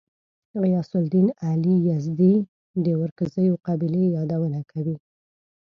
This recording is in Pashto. غیاث الدین علي یزدي د ورکزیو قبیلې یادونه کوي.